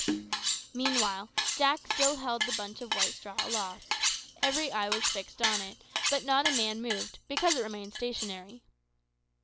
Meanwhile Jack still held the bunch of white straw aloft. Every eye was fixed on it, but not a man moved, because it remained stationary.